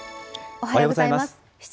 おはようございます。